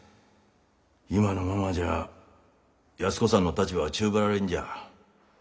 今のままじゃあ安子さんの立場は宙ぶらりんじゃ。